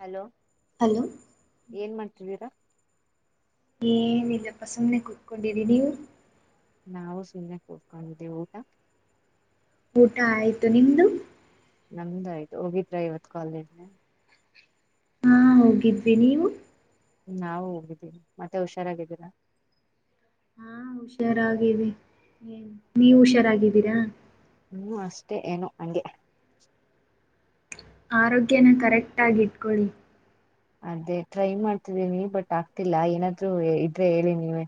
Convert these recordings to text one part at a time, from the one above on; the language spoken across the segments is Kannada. ಹಲೋ ಹಲೋ ಏನ್ ಮಾಡ್ತಿದ್ದೀರಾ ಏನಲ್ಲಪ್ಪ ಸುಮ್ಮನೆ ಕುತ್ಕೊಂಡಿರಿ ನೀವು ನಾವು ಸುಮ್ಮ್ನೆ ಹರ್ಕೊಂಡಿದ್ದೇವು ಊಟ ಊಟ ಆಯ್ತು ನಿಮ್ಮದು ನಮ್ದಾಯಯ್ತು ಹೋಗಿದ್ರಾ ಇವತ್ ಕಾಲೇಜ್ ಹಾ ಹೋಗಿದ್ವಿ ನೀವು ನಾವು ಹೋಗಿದ್ದೀವಿ ಮತ್ತೆ ಹುಷಾರಾಗಿದ್ದೀರಾ ಹಾ ಹುಷಾರಾಗಿದ್ದಿ ಏನ್ ನೀವ ಹುಷಾರಾಗಿದ್ದೀರಾ ಹ್ಮ್ ಅಷ್ಟೇ ಏನು ಹಂಗೆ ಆರೋಗ್ಯನ ಕರೆಕ್ಟಾಗಿಟ್ಕೊಳ್ಳಿ ಅದೇ ಟ್ರೈ ಮಾಡ್ತಿದ್ದೀನಿ ಬಟ್ ಆಗ್ತಿಲ್ಲ ಏನಾದ್ರು ಇದ್ರೆ ಹೇಳಿ ನೀವವೆ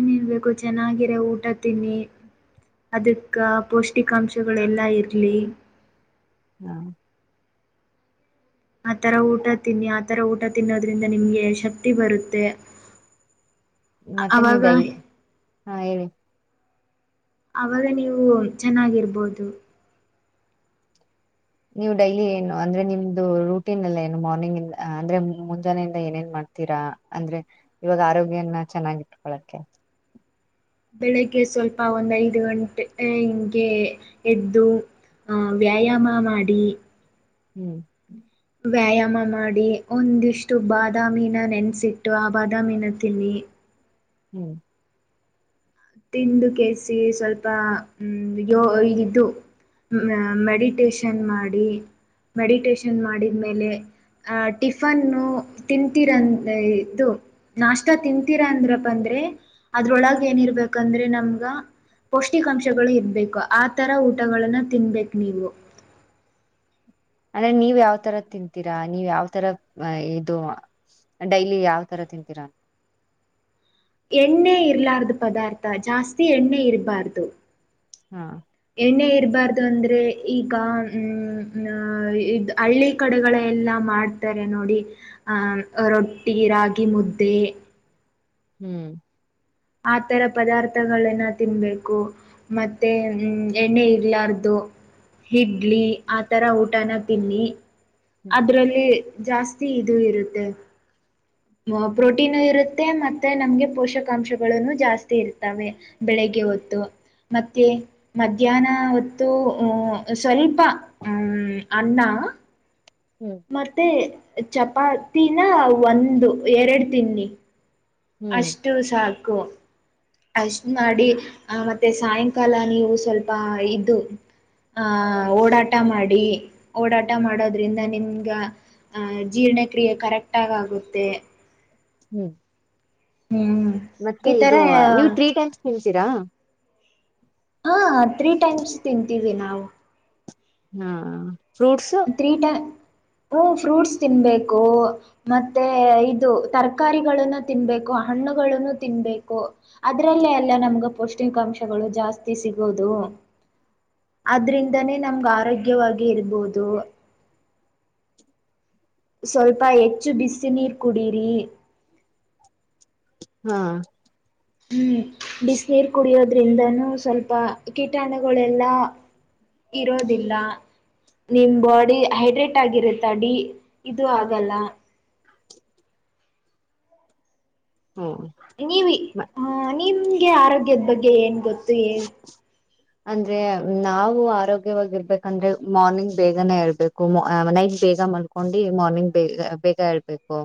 ನಿಂನ್ಬೇಕು ಚೆನ್ನಾಗಿರ ಊಟ ತಿನ್ನಿ ಅದಕ್ಕ ಪೋಷ್ಟಿಕಾಂಶಗಳೆಲ್ಲಾ ಇರ್ಲಿ ಹ್ಮ [inaudible] ಆ ತರ ಊಟ ತಿನ್ನಿ ಆ ತರ ಊಟ ತಿನ್ನೋದ್ರಿಂದ ನಿಮ್ಗೆ ಶಕ್ತಿ ಬರುತ್ತೆ ಮತ್ತೆ ನೀವ್ ಅವಾಗ ಡೈ ಹಾ ಹೇಳಿ ಅವಾಗ ನೀವು ಚೆನ್ನಾಗಿರ್ಬೋದು ನೀವ್ ಡೈಲಿ ಏನು ಅಂದ್ರೆ ನಿಮ್ದು ರುಟಿನೆಲ್ಲಾ ಏನು ಮಾರ್ನಿಂಗ್ ಇಂದ ಅಂದ್ರೆ ಮುಂಜಾನೆಯಿಂದ ಏನೇನ್ ಮಾಡ್ತೀರಾ ಅಂದ್ರೆ ಇವಾಗ ಆರೋಗ್ಯನ್ನ ಚೆನ್ನಾಗಿಟ್ಕೊಳಕೆ ಬೆಳೆಗ್ಗೆ ಸ್ವಲ್ಪ ಒಂದ್ ಐದು ಗಂಟೆ ಹಂಗೆ ಎದ್ದು ಹ್ಮ್ ವ್ಯಾಯಾಮ ಮಾಡಿ ಹ್ಮ್ ವ್ಯಾಯಾಮ ಮಾಡಿ ಒಂದಿಷ್ಟು ಬಾದಾಮಿನ ನೆನ್ಸಿಟ್ಟು ಆ ಬಾದಾಮಿನ ತಿನ್ನಿ ಹ್ಮ್ ತಿಂದು ಕೇಸಿ ಸ್ವಲ್ಪ ಹ ಯೋಗಿದ್ದು ಮ ಮೆಡಿಟಷನ್ ಮಾಡಿ ಮೆಡಿಟಷನ್ ಮಾಡಿದ್ಮೇಲೆ ಟಿಫನ್ನು ತಿಂತೀರ ಇದು ನಾಷ್ಟ ತಿಂತೀರಾ ಅಂದ್ರಪ್ಪ ಅಂದ್ರೆ ಅದ್ರೊಳಗ ಏನಿರ್ಬೇಕ ಯಕಂದ್ರೆ ನಮ್ಗ ಪೌಷ್ಟಿಕಾಂಶಗಳು ಇರ್ಬೇಕು ಆತರ ಊಟಗಳನ್ನ ತಿನ್ಬೇಕ ನೀವು ಅಂದ್ರೆ ನೀವ್ ಯಾವ್ ತರ ತಿಂತೀರಾ ನೀವ್ ಯಾವ ತರ ಇದು ಡೈಲಿ ಯಾವ್ ತರ ತಿಂತೀರಾ ಎಣ್ಣೆ ಇರಲಾರ್ದ್ ಪದಾರ್ಥ ಜಾಸ್ತಿ ಎಣ್ಣೆ ಇರಬಾರ್ದು ಹಾ ಎಣ್ಣೆ ಇರಬಾರ್ದ್ ಅಂದ್ರೆ ಈಗ ಹ್ಮ್ ಆಂ ಇದ್ ಹಳ್ಳಿ ಕಡೆಗಳ ಎಲ್ಲ ಮಾಡ್ತಾರೆ ನೋಡಿ ಆಂ ರೊಟ್ಟಿ ರಾಗಿ ಮುದ್ದೆ ಹ್ಮ್ ಆತರ ಪದಾರ್ಥಗಳನ ತಿನ್ಬೇಕು ಮತ್ತೆ ಹ್ಮ್ ಎಣ್ಣೆ ಇರ್ಲಾರ್ದು ಹಿಡ್ಲಿ ಆ ತರ ಊಟನ ತಿನ್ನಿ ಹ್ಮ್ ಅದ್ರಲ್ಲಿ ಜಾಸ್ತಿ ಇದು ಇರುತ್ತೆ ಹ್ಮ್ ಪ್ರೋಟೀನು ಇರುತ್ತೆ ಮತ್ತೆ ನಮ್ಗೆ ಪೋಷಕಾಂಶಗಳನು ಜಾಸ್ತಿ ಇರ್ತವೆ ಬೆಳಿಗ್ಗೆ ಹೊತ್ತು ಮತ್ತೆ ಮಧ್ಯಾಹ್ನ ಹೊತ್ತು ಹ್ಮ್ಮ್ ಸ್ವಲ್ಪ ಹ್ಮ್ ಅನ್ನ ಹ್ಮ್ ಮತ್ತೆ ಚಪಾತಿನ ಒಂದು ಎರಡು ತಿನ್ನಿ ಹ್ಮ್ ಅಷ್ಟು ಸಾಕು ಅಷ್ಟ ಮಾಡಿ ಆ ಮತ್ತೆ ಸಾಯಂಕಾಲ ನೀವು ಸ್ವಲ್ಪ ಇದು ಆಹ ಓಡಾಟ ಮಾಡಿ ಓಡಾಟ ಮಾಡೋದ್ರಿಂದ ನಿಮ್ಗ ಜೀರ್ಣಕ್ರಿಯೆ ಕರೆಕ್ಟಾಗಾಗುತ್ತೆ ಹ್ಮ್ ಹ್ಮ್ ಮತ್ತೆ ಈ ತರ ಇದು ನೀವು ತ್ರೀ ಟೈಮ್ಸ್ ತಿಂತಿರಾ ಹಾ ತ್ರೀ ಟೈಮ್ಸ್ ತಿಂತೀವಿ ನಾವು ಹಾ ಫ್ರೂಟ್ಸ್ ತ್ರೀ ಟೈ ಹ್ಞೂ ಫ್ರೂಟ್ಸ್ ತಿನ್ನಬೇಕು ಮತ್ತೆ ಇದು ತರಕಾರಿಗಳಗಳನ್ನು ತಿನ್ಬೇಕು ಹಣ್ಣುಗಳನ್ನು ತಿನ್ಬೇಕು ಅದ್ರಲ್ಲೇ ಎಲ್ಲಾ ನಮ್ಗ ಪೌಷ್ಟಿಕಾಂಶಗಳು ಜಾಸ್ತಿ ಸಿಗೋದು ಆದ್ರಿಂದಾನೇ ನಮ್ಗ ಆರೋಗ್ಯವಾಗಿ ಇರ್ಬೋದು ಸ್ವಲ್ಪ ಹೆಚ್ಚು ಬಿಸಿ ನೀರ್ ಕುಡೀರಿ ಹಾ ಹ್ಮ್ ಬಿಸ ನೀರು ಕುಡಿಯೋದ್ರಿಂದನೂ ಸ್ವಲ್ಪ ಕೀಟಾಣುಗಳೆಲ್ಲಾ ಇರೋದಿಲ್ಲ ನಿಮ್ ಬಾಡಿ ಹೈಡ್ರೇಟ್ ಆಗಿರುತ್ತೆ ಅ ಡಿ ಇದು ಆಗಲ್ಲ ಹ್ಮ ನೀವಿ ನಿಮ್ಗೆ ಆರೋಗ್ಯದ ಬಗ್ಗೆ ಏನ್ ಗೊತ್ತು ಹೇಳಿ ಹ ಅಂದ್ರೆ ನಾವು ಆರೋಗ್ಯವಾಗಿರ್ಬೇಕಂದ್ರೆ ಮಾರ್ನಿಂಗ್ ಬೇಗನೆೇ ಇರ್ಬೇಕು ನೈಟ್ ಬೇಗ ಮಲಗ ಬೇಕು ಹಕೊಂಡಿ ಮಾರ್ನಿಂಗ್ ಬೇಗ ಬೇಗ ಹೇಳ್ಬೇಕು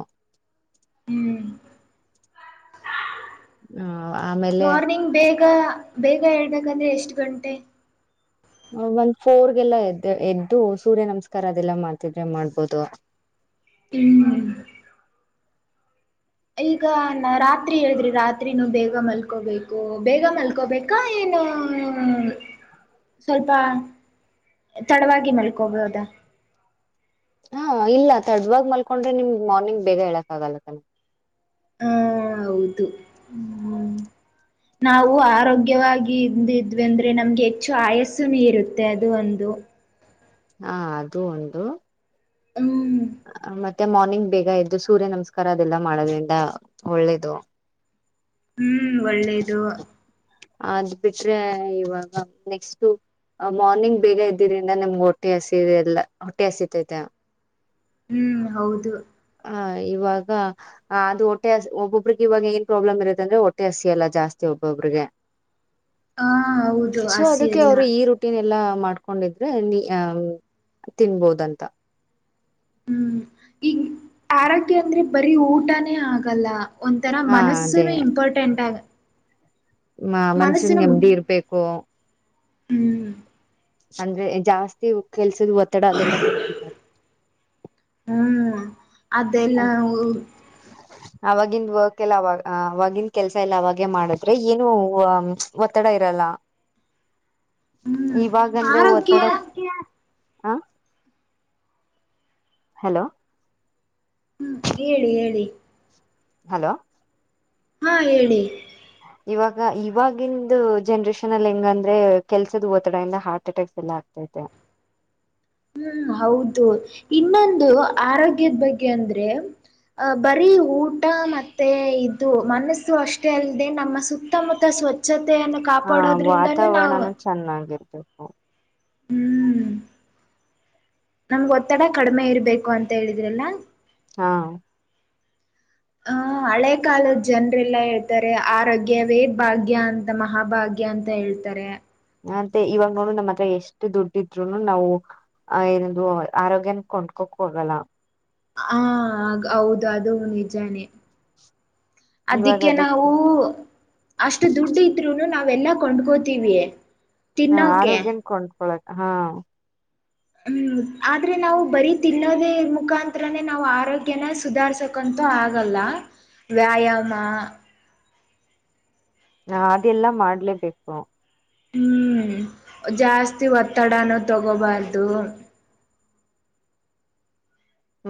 ಹ್ಮ್ ಆಮೇಲೆ ಮಾರ್ನಿಂಗ್ ಬೇಗ ಬೇಗ ಹೇಳ್ಬೇಕಂದ್ರೆ ಎಷ್ಟು ಗಂಟೆ ಒಂದ್ ಫೋರ್ಗೆಲ್ಲ ಎದ್ದ ಎದ್ದು ಸೂರ್ಯ ನಮಸ್ಕಾರ ಅದೆಲ್ಲಾ ಮಾಡ್ತಿದ್ರೆ ಮಾಡ್ಬೋದು ಹ್ಮ್ ಈಗ ನಾ ರಾತ್ರಿ ಹೇಳದ್ರಿ ರಾತ್ರಿನೂ ಬೇಗ ಮಲ್ಕೋಬೇಕು ಬೇಗ ಮಲ್ಕೋಬೇಕ ಈಗ ಏನು ಸ್ವಲ್ಪ ತಡವಾಗಿ ಮಲ್ಕೋಬಹುದಾ ಹಾ ಇಲ್ಲ ತಡ್ವವಾಗಿ ಮಲ್ಕೊಂಡ್ರೆ ನಿಮ್ಗ್ ಮಾರ್ನಿಂಗ್ ಬೇಗ ಹೇಳಕ್ ಆಗಲ್ಲ ಹ್ಮ್ ಹೌದು ಹ್ಮ್ [inaudible] ನಾವು ಆರೋಗ್ಯವಾಗಿ ಇದ್ದಿದ್ವಿ ಅಂದ್ರೆ ನಮ್ಗೆ ಹೆಚ್ಚು ಆಯಸ್ಸುನು ಇರುತ್ತೆ ಅದು ಒಂದು ಅಂ ಅದು ಒಂದು ಅಮ್ ಮತ್ತೆ ಮಾರ್ನಿಂಗ್ ಬಗ ಎದ್ದು ಸೂರ್ಯ ನಮಸ್ಕಾರ ಅದೆಲ್ಲ ಮಾಡೋದ್ರಿಂದ ಒಳ್ಳೇದು ಹ್ಮ್ ಒಳ್ಳೇದು ಅದ್ ಬಿಟ್ರೆ ಇವಾಗ ನೆಕ್ಸ್ಟ ಮಾರ್ನಿಂಗ್ ಬೇಗ ಇದ್ದಿದ್ರಿಂದ ನಿಮ್ಗೆ ಹೊಟ್ಟೆ ಹಸಿ ಎಲ್ಲ ಹೊಟ್ಟೆ ಹಸಿತೈತೆ ಹ್ಮ್ ಹೌದು ಹ ಇವಾಗ ಅದು ಹೊಟ್ಟೆ ಒಬ್ಬೊಬ್ರಿಗೆ ಇವಾಗ ಏನ್ ಪ್ರಾಬ್ಲಮ್ ಇರುತ್ತ ಅಂದ್ರೆ ಹೊಟ್ಟೆ ಹೊಟ್ಟೆ ಹಸಿಯಲ್ಲ ಜಾಸ್ತಿ ಒಬ್ ಒಬ್ಬರಿಗೆ ಹಾ ಹೌದು ಸೊ ಹಸಿ ಅದ್ದುಕೆ ಎಲ್ಲ ಅವ್ರು ಈ ರೂಟ್. ಟ್ಟನ್ ಎಲ್ಲಾ ಮಾಡ್ಕೊಂಡಿದ್ರೆ ನೀ ತಿನ್ಬೋದಂತ ಹ್ಮ್ ಈಗ್ ಆರೋಗ್ಯ ಅಂದ್ರೆ ಬರೀ ಊಟಾನೇ ಆಗಲ್ಲ ಒಂಥರ ಹಾ ಅದೇ ಮನಸ್ಸುನು ಇಂಪಾರ್ಟೆಂಟ್ ಆಗ್ ಮ ಮನಸ್ಸಿಗೆ ಮು ನೆಮ್ಮದಿ ಇರ್ಬೇಕು ಹ್ಮ್ ಅಂದ್ರೆ ಜಾಸ್ತಿ ಕೆಲ್ಸದ ಒತ್ತಡ ಅದೆಲ್ಲ [unintelligible] ಹ್ಮ್ ಅದೆಲ್ಲ ಊರ್ [inaudible] ಆವಾಗಿಂದ ವರ್ಕ್ ಎಲ್ಲ ಅವಾಗ ಅವಾಗಿನ ಕೆಲ್ಸ ಎಲ್ಲ ಅವಾಗೆ ಮಾಡಿದ್ರೆ ಏನು ಒತ್ತಡ ಇರಲ್ಲ ಹ್ಮ್ ಇವಾಗ ಅಂದ್ರೆ ಆರೋಗ್ಯ ಒತ್ತಡ ಹ ಹಲೋ ಹೇಳಿ ಹೇಳಿ ಹಲೋ ಹಾಂ ಹೇಳಿ ಇವಾಗ ಇವಾಗಿಂದು ಜನ್ರೇಷನ್ ಅಲ್ಲಿ ಹೆಂಗಂದ್ರೆ ಕೆಲ್ಸದ ಒತ್ತಡ ಇಂದ ಹಾರ್ಟ್ ಅಟ್ಯಾಕ್ಸ್ ಎಲ್ಲ ಆಗ್ತದೆ ತಾಯಿತೇ ಹ್ಮ್ ಹೌದು ಇನ್ನೊಂದು ಆರೋಗ್ಯದ ಬಗ್ಗೆ ಅಂದ್ರೆ ಅಹ್ ಬರೀ ಊಟ ಮತ್ತೆ ಇದು ಮನಸ್ಸು ಅಷ್ಟೇ ಅಲ್ಲದೆ ನಮ್ಮ ಸುತ್ತಮುತ್ತ ಸ್ವಚ್ ಸ್ವಚ್ಛತೆಯನ್ನು ಹಾ ಕಾಪಾಡೋದ್ರಿಂದನೂ ನಾವು ವಾತಾವರಣನು ಚೆನ್ನಾಗಿರ್ಬೇಕು ನಮ್ಗ್ ಒತ್ತಡ ಕಡಿಮೆ ಇರ್ಬೇಕು ಅಂತ ಹೇಳಿದ್ರಲ್ಲಾ ಹಾಂ ಹ ಹಳೆ ಕಾಲದ ಜನ್ರೆಲ್ಲಾ ಹೇಳ್ತಾರೆ ಆರೋಗ್ಯವೇ ಭಾಗ್ಯ ಅಂತ ಮಹಾಭಾಗ್ಯ ಗ್ಯ ಅಂತ ಹೇಳ್ತಾರೆ ಅಂತೆ ಇವಾಗ ನೋಡ ನಮ್ ಹತ್ರ ಎಷ್ಟ್ ದುಡ್ಡಿದ್ರುನು ನಾವು [unintelligible] ಏನದು ಆರೋಗ್ಯನ ಕೊಂಡ್ಕೋಕ್ ಹೋಗಲ್ಲ ಹಾಂ ಹೌದು ಅದು ನಿಜಾನೇ. ಇವಾಗ ಅದಿಕ್ಕೆ ನಾವು ಅದಕ್ ಅಷ್ಟು ದುಡ್ಡು ಇದ್ರುನು ನಾವೆಲ್ಲಾ ಕೊಂಡ್ಕೋತೀವಿ. ಹಾಂ ತಿನ್ನೋಕೆ ಆರೋಗ್ಯನ ಕೊಂಡ್ಕೊಳಕ್ ಹಾಂ ಹ್ಮ್ ಆದ್ರೆ ನಾವು ಬರೀ ತಿನ್ನೋದ ಮುಕಾಂತ್ರನೇ ನಾವು ಆರೋಗ್ಯನ ಸುಧಾರ್ಸ ಕಂತು ಆಗಲ್ಲ ವ್ಯಾಯಾಮ ಅದೆಲ್ಲಾ ಮಾಡ್ಲೇಬೇಕು ಹ್ಮ್ ಜಾಸ್ತಿ ಒತ್ತಡನೂ ತಗೋಬಾರ್ದು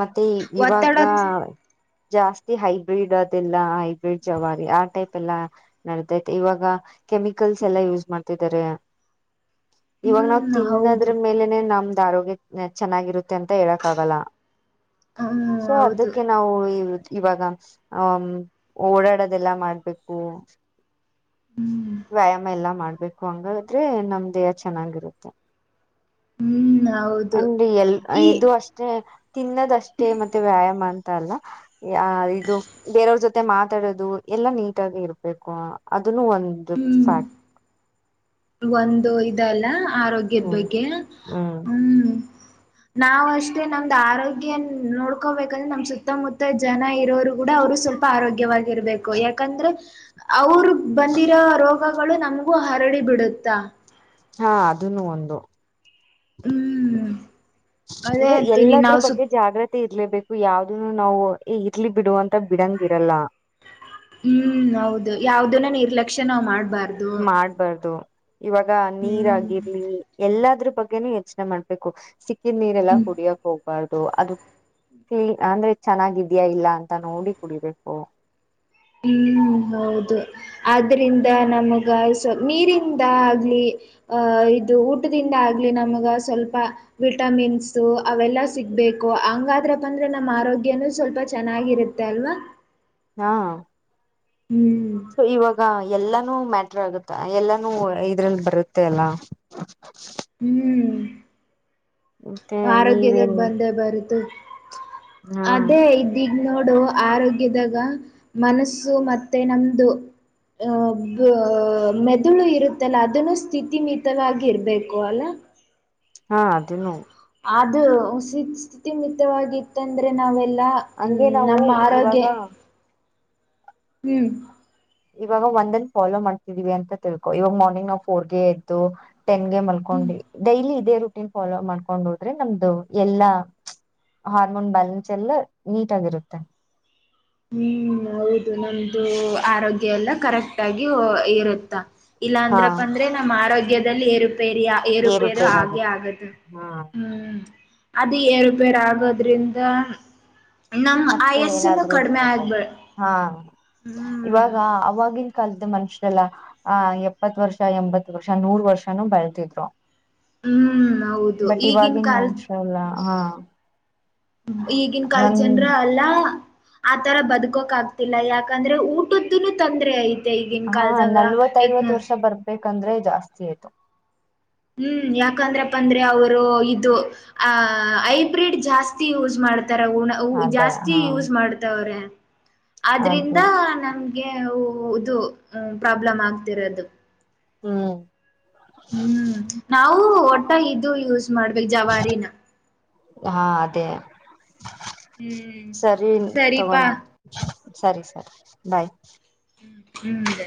ಮತ್ತೆ ಒತ್ತಡ ಇವಾಗ ಜಾಸ್ತಿ ಹೈಬ್ರಿಡ್ ಅದೆಲ್ಲ ಹೈಬ್ರಿಡ್ ಜವಾರಿ ಆ ಟೈಪ್ ಎಲ್ಲಾ ನಡದೈತೆ ಇವಾಗ ಕೆಮಿಕಲ್ಸ್ ಎಲ್ಲಾ ಯೂಸ್ ಮಾಡ್ತಿದ್ದಾರೆ ಇವಾಗ ನಾವ್ ಹ್ಮ್ ತಿನ್ನದ್ರ ಹೌದು ಮೇಲೆನೆ ನಮ್ದ್ ಆರೋಗ್ಯ ಚೆನ್ನಾಗಿರುತ್ತೆ ಅಂತ ಹೇಳಕ್ ಆಗಲ್ಲ ಹ್ಮ್ ಸೊ ಹೌದು ಅದಕ್ಕೆ ನಾವು ಇವಾಗ ಹ ಓಡಾಡದೆಲ್ಲಾ ಮಾಡ್ಬೇಕು ಹ್ಮ್ ವ್ಯಾಯಾಮ ಎಲ್ಲಾ ಮಾಡ್ಬೇಕು ಹಂಗಾದ್ರೆ ನಮ್ ದೇಹ ಚೆನ್ನಾಗಿರುತ್ತೆ ಹ್ಮ್ ಹೌದು ಅಂಡ್ ಎಲ್ ಈ ಇದು ಅಷ್ಟೇ ತಿನ್ನದಷ್ಟೇ ಮತ್ತೆ ವ್ಯಾಯಾಮ ಅಂತ ಅಲ್ಲ ಯ ಇದು ಬೇರೆಯವ್ರ ಜೊತೆ ಮಾತಾಡದು ಎಲ್ಲಾ ನೀಟಾಗಿ ಇರ್ಬೇಕು ಅದನ್ನು ಒಂದು ಹ್ಮ್ ಫ್ಯಾಕ್ಟ್ ಒಂದು ಇದಲ್ಲ ಆರೋಗ್ಯದ ಹ್ಮ್ ಬಗ್ಗೆ ಹ್ಮ್ ನಾವವು ಅಷ್ಟೇ ನಮ್ದ್ ಆರೋಗ್ಯನ್ ನೋಡ್ಕೋಬೇಕಂದ್ರೆ ನಮ್ ಸುತ್ತಮುತ್ತ ಜನ ಇರೋರು ಕೂಡ ಅವ್ರು ಸ್ವಲ್ಪ ಆರೋಗ್ಯವಾಗಿರ್ಬೇಕು ಯಾಕಂದ್ರೆ ಅವರು ಬಂದಿರೋ ರೋಗಗಳು ನಮಗೂ ಹರಡಿ ಬಿಿಡುತ್ತಾ ಹಾ ಅದನ್ನು ಒಂದು ಹ್ಮ್ ಅದೇ ಅಂದ್ರೆ ಹೇಳ್ತೀನಿ ಎಲ್ಲದ್ರ ನಾವು ಬಗ್ಗೆ ಸುತ್ ಜಾಗ್ರತಿ ಮತ್ತೆ ಇರ್ಲೇಬೇಕು ಯಾವ್ದನು ನಾವು ಇರ್ಲಿ ಬಿಡುುವ ಅಂತ ಬಿಡಂಗ ಇರಲ್ಲ ಹ್ಮ್ ಹೌದು ಯಾವ್ದನ ನಿರ್ಲಕ್ಷ್ಯ ನಾವ್ ಮಾಡ್ಬಾರ್ದು ಮಾಡ ಬಾರು ಇವಾಗ ನೀರ್ ಹ್ಮ್ ಆಗಿರ್ಲಿ ಎಲ್ಲಾದ್ರ ಬಗ್ಗೆನೂ ಯೋಚನೆ ಮಾಡ್ಬೇಕು ಸಿ ನೀರೆಲ್ಲ ಹ್ಮ್ ಕುಡಿಯೋಗ ಹೋಗ್ಬಾರ್ದು ಅದು ಕೀನ್ ಅಂದ್ರೆ ಚೆನ್ನಾಗ್ಯಾಾ ಇಲ್ಲ ಅಂತ ನೋಡಿ ಕುಡಿಬೇಕು ಹ್ಮ್ ಹೌದು ಆದ್ರಿಂದ ನಮಗ ಸ್ ನೀರಿಂದ ಆಗ್ಲಿ ಅಹ ಇದು ಊಟದಿಂದ ಆಗ್ಲಿ ನಮಗ ಸ್ವಲ್ಪ ವಿಟಮಿನ್ಸು ಅವೆಲ್ಲ ಸಿಗಬೇಕು ಹಂಗಾದ್ರಪ್ಪ ಅಂದ್ರೆ ನಮ್ಮ ಆರೋಗ್ಯನೂ ಸ್ವಲ್ಪ ಚೆನ್ನಾಗಿರುತ್ತೆ ತ್ತಲ್ವಾ ಹಾ ಹ್ಮ್ ಸೊ ಇವಾಗ ಎಲ್ಲಾನೂ ಮ್ಯಾಟ್ರ ಆಗುತ್ತ ಎಲ್ಲಾನೂ ಇದ್ರಲ್ಲಿ ಬರುತ್ತೆ ಅಲ್ಲ ಹ [inaudible] ಹ್ಮ್ ಮತ್ತೆ ಆರೋಗ್ಯದಾಗ ನೀವೇನ್ ಬಂದೇ ಬರುತು ಹಾ ಅದೇ ಈಗ್ ನೋಡು ಆರೋಗ್ಯದಾಗ ಮನಸ್ಸು ಮತ್ತೆ ನಮ್ದು ಮೆದುಳು ಇರುತ್ತಲ್ಲ ಅದನ್ನು ಸ್ಥಿತಿಮಿತವಾಗಿ ಇರಬೇಕು ಅಲ್ಲ ಹಾ ಅದನ್ನು ಅದು ಉಸ ಸ್ಥಿತಿಮಿತವಾಗಿತ್ತಂದ್ರೆ ನಾವೆಲ್ಲಾ ಹ್ಮ ಹಂಗೆ ನಾವು ನಮ್ಮ ಆರೋಗ್ಯ ಇವಾಗ ಹ್ಮ್ ಇವಾಗ ಒಂದನ ಫಾಲೋ ಮಾಡ್ತಿದೀವಿ ಅಂತ ತಿಳ್ಕೊ. ಇವಾಗ ಮಾರ್ನಿಂಗ್ ನಾವು ಫೋರ್ಗೆ ಎದ್ದು, ಟೆನ್ಗೆ ಮಲ್ಕೊಂಡಿ, ಡೈಲಿ ಇದೇ ರುಟೀನ್ ಫಾಲೋ ಮಾಡ್ಕೊಂಡು ಹೋದ್ರೆ ನಮ್ದು ಎಲ್ಲಾ, ಮ್ಚ ಹಾರ್ಮೋನ್ ಬ್ಯಾಲೆನ್ಸ್ ಎಲ್ಲ ನೀಟ್ ಆಗಿರುತ್ತೆ. ಹ್ಮ್ ಹೌದು ನಮ್ದು ಆರೋಗ್ಯ ಎಲ್ಲ ಕರೆಕ್ಟ್ ಆಗಿ ಇರುತ್ತ. ಇಲ್ಲ ಹಾ ಅಂದ್ರಪ್ಪ ಅಂದ್ರೆ ನಮ್ಮ್ ಆರೋಗ್ಯದಲ್ಲಿ ಏರುಪೇರಿಯ. ಏರುಪೇರು ಆಗೆ ಏರುಪೇರಾಗುತ್ತೆ ಆಗತ್ತ ಹಾ ಹ್ಮ್ ಅದು ಏರುಪೇರ್ ಆಗೋದ್ರಿಂದ... ನಮ್ ಮತ್ತೆ ಆಯಸ್ಸನ್ನು ಏನಾದ್ರು ಸ್ಟಾರ್ಟ್ ಆಗ್ಬೇಡ ಹ್ಮ್... ಆ... ಅವಾಗಿನ ಕಾಲದ ಮನುಷ್ಯರೆಲ್ಲಾ.. ಆ ಎಪ್ಪತ್ತ ವರ್ಷ ಎಂಬತ್ತ ವರ್ಷ ನೂರ್ ವರ್ಷನೂ ಬಾಳ್ತಿದ್ರು. ಹ್ಮ್ ಹೌದು ಬಟ್ ಈಗಿನ ಇವಾಗಿನ ಕಾಲದ ಮನುಷ್ಯ ಅಲ್ಲ ಹಾ! ಈಗಿನ ಕಾಾಲ ಒಂದ್ ಜನರ ಅಲ್ಲಾ ಆತರ ಬದ್ಕೋಕ್ ಆಗ್ತಿಲ್ಲ. ಯಾಕಂದ್ರೆ ಊಟದ್ದುನು ತೊಂದರೆ ಅಯ್ತಿ. ಹಾ ನಲ್ವತ್ತ ಐವತ್ತ ವರ್ಷ ಬರ್ಬೇಕಂದ್ರೆ ಜಾಸ್ತಿ ಆಯ್ತು. ಹ್ಮ್ ಯಾಕಂದ್ರಪ್ಪ ಅಂದ್ರೆ ಅವರು ಇದು ಆ ಐಬ್ರಿಡ್ ಜಾಸ್ತಿ ಯೂಸ್ ಮಾಡ್ತಾರ ಊಣ ಅದೇ ಜಾಸ್ತಿ ಹಾ ಯೂಸ್ ಮಾಡ್ತವ್ರೆ ಅದು ಆದ್ರಿಂದ ನಮ ಗೆ ಇದು ಪ್ರಾಬ್ಲಮ್ ಆಗ್ತಿರೋದು ಹ್ಮ್ ಹ್ಮ್..... ನಾವು ಒಟ್ಟ ಇದು ಯೂಸ್ ಮಾಡ್ಬೇಕು ಜವಾರಿನ ಹಾ, ! ಅದೇ ಹ್ಮ್ ಸರಿ ತಗೋಣ. ಸರಿಪಾ ಸರಿ ಸರ್ ಬಾಯ್. ಹ್ಮ್ ಅದೆ.